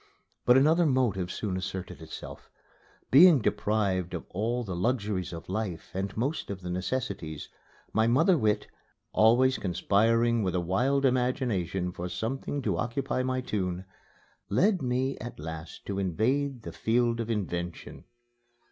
But another motive soon asserted itself. Being deprived of all the luxuries of life and most of the necessities, my mother wit, always conspiring with a wild imagination for something to occupy my tune, led me at last to invade the field of invention.